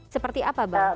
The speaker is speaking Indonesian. seperti apa bang